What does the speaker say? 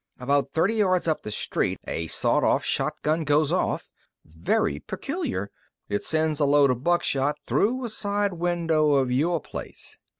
About thirty yards up the street a sawed off shotgun goes off. Very peculiar. It sends a load of buckshot through a side window of your place."